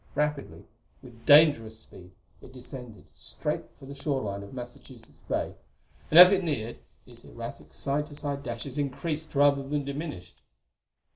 Rapidly with dangerous speed it descended, straight for the shore line of Massachusetts Bay. And as it neared, its erratic side to side dashes increased, rather than diminished.